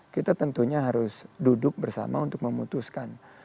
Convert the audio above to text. kita tentunya harus duduk bersama untuk memutuskan